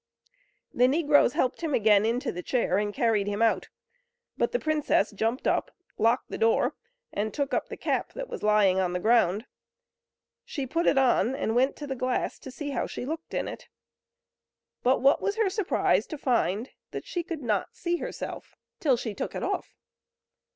The negroes helped him again into the chair, and carried him out; but the princess jumped up, locked the door, and took up the cap that was lying on the ground. She put it on; and went to the glass to see how she looked in it. But what was her surprise to find that she could not see herself, till she took it off!